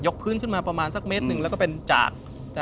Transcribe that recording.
พื้นขึ้นมาประมาณสักเมตรหนึ่งแล้วก็เป็นจาก